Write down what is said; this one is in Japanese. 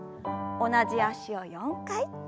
同じ脚を４回。